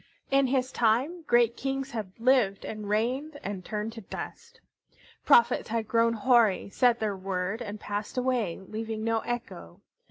In his time great kings had lived and reigned and turned to dust. Prophets had grown hoary, said their word, and passed away, leaving no echo.